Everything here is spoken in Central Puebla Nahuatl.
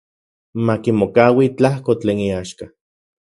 Makimokaui tlajko tlen iaxka.